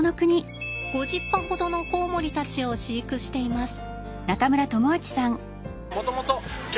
５０羽ほどのコウモリたちを飼育しています。